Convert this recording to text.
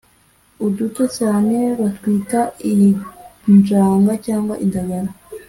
uduto cyane batwita injanga cyangwa indagara,